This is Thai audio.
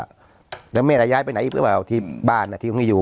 เนี้ยมึงไม่ได้ย้ายไปไหนรึเปล่าที่บ้านอะที่ง่วงที่อยู่